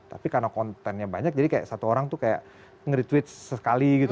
tapi karena kontennya banyak jadi kayak satu orang itu kayak ngeretweet sesekali gitu